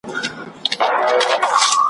نفس خیژي له ځګره، حال می نه پوښتې دلبره.